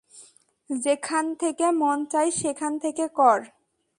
যেখান থেকে মন চায় সেখান থেকে কর।